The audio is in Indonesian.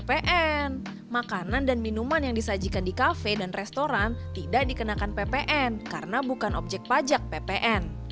ppn makanan dan minuman yang disajikan di kafe dan restoran tidak dikenakan ppn karena bukan objek pajak ppn